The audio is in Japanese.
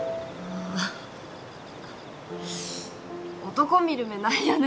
男見る目ないよね